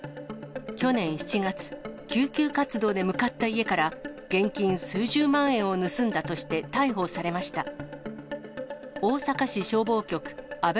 去年７月、救急活動で向かった家から、現金数十万円を盗んだとして逮捕されました。